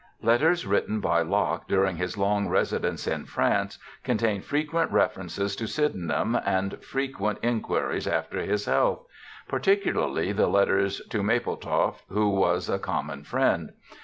Letters written by Locke during his long residence in France contain frequent references to Sydenham and frequent inquiries after his health ; particularly the letters to Mapletoft, who was a common friend.